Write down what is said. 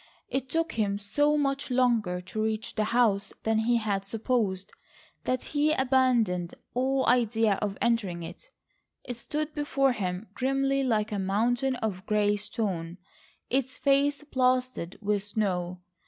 It took him so much longer to reach the house than he had supposed, that he abandoned all idea of entering it. It stood before him grimly like a mountain of grey stone, its face plastered with snow.